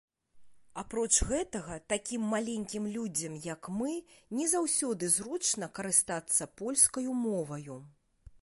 Апроч гэтага, такім маленькім людзям, як мы, не заўсёды зручна карыстацца польскаю моваю.